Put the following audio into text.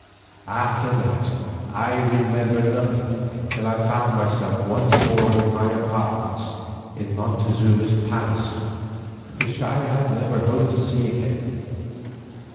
After that I remember nothing till I found myself once more in my apartments in Montezuma's palace, which I never hoped to see again.